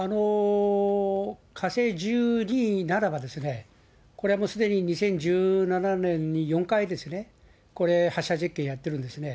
火星１２ならば、これはもうすでに、２０１７年に４回、これ、発射実験やってるんですね。